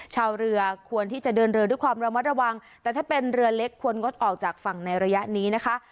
ชาวเรือควรที่จะเดินเรือด้วยความระมัดระวังแต่ถ้าเป็นเรือเล็กควรงดออกจากฝั่งในระยะนี้นะคะ